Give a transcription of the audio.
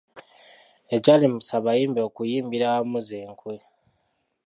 Ekyalemesa abayimbi okuyimbira awamu z’enkwe.